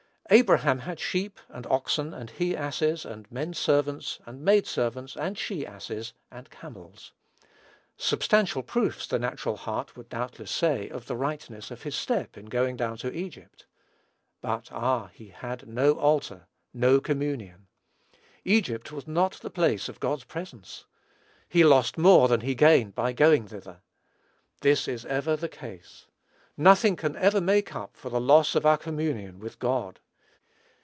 "Abraham had sheep, and oxen, and he asses, and men servants, and maid servants, and she asses, and camels." Substantial proofs, the natural heart would, doubtless, say, of the rightness of his step, in going down to Egypt. But, ah! he had no altar, no communion. Egypt was not the place of God's presence. He lost more than he gained by going thither. This is ever the case. Nothing can ever make up for the loss of our communion with God.